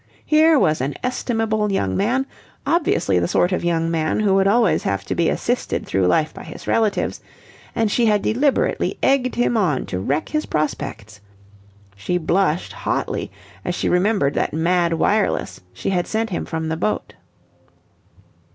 Here was an estimable young man, obviously the sort of young man who would always have to be assisted through life by his relatives, and she had deliberately egged him on to wreck his prospects. She blushed hotly as she remembered that mad wireless she had sent him from the boat.